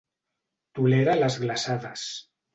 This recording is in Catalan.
Tolera les glaçades.